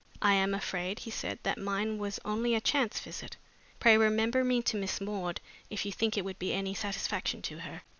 "I am afraid," he said, "that mine was only a chance visit. Pray remember me to Miss Maud, if you think it would be any satisfaction to her."